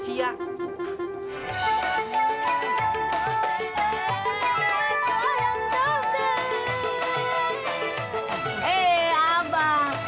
sekarang cerita bang